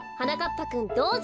ぱくんどうぞ。